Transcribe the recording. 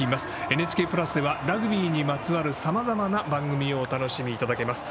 「ＮＨＫプラス」ではラグビーにまつわるさまざまな番組をお楽しみいただけます。